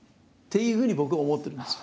いうふうに僕は思ってるんですよ。